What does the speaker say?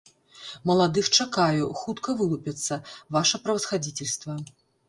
Маладых чакаю, хутка вылупяцца, ваша правасхадзіцельства.